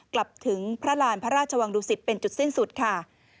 กลับถึงพระราณพระราชวังดุสิตเป็นจุดสิ้นสุดค่ะ